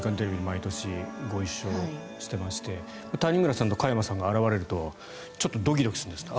毎年ご一緒していまして谷村さんと加山さんが現れるとちょっとドキドキするんです。